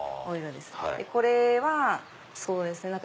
でこれはそうですね。